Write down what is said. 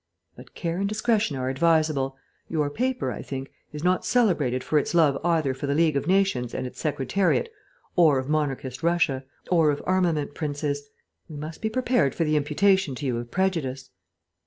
But care and discretion are advisable.... Your paper, I think, is not celebrated for its love either for the League of Nations and its Secretariat, or of monarchist Russia, or of armament princes? We must be prepared for the imputation to you of prejudice."